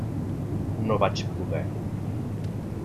No vaig poder.